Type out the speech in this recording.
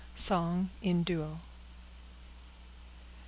—Song in Duo.